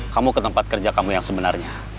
kamu ke tempat kerja kamu yang sebenarnya